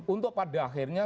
untuk pada akhirnya